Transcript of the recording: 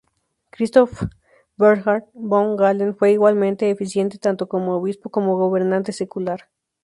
Christoph Bernhard von Galen fue igualmente eficiente tanto como obispo como gobernante secular.